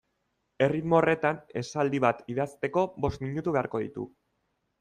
Erritmo horretan esaldi bat idazteko bost minutu beharko ditu.